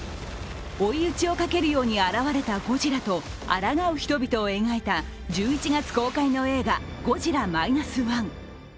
追い打ちをかけるように現れたゴジラと抗う人々を描いた１１月公開の映画「ゴジラ−１．０」。